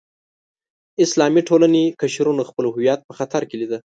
اسلامي ټولنې قشرونو خپل هویت په خطر کې لیده.